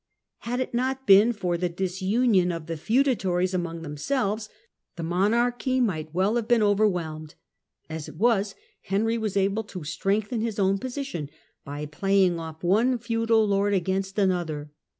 Had it not been for the disunion of the feudatories among themselves, the monarchy might well have been over whelmed. As it was, Henry was able to strengthen his own position by playing off one feudal lord against another.